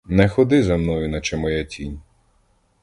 Не ходи за мною, наче моя тінь!